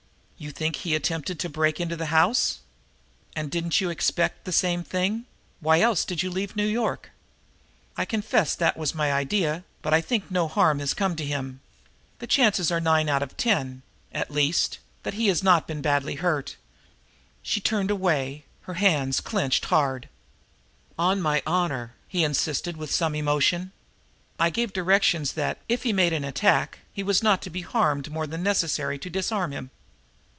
"You think he attempted to break into the house?" "And didn't you expect the same thing? Why else did you leave New York?" "I confess that was my idea, but I think no harm has come to him. The chances are nine out of ten, at least, that he has not been badly hurt." She turned away, her hands clenched hard. "Oh my honor," he insisted with some emotion. "I gave directions that, if he made an attack, he was not to be harmed more than necessary to disarm him."